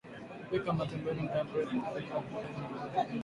kupika matembele mda mrefu hupunguza upotevu wa virutubishi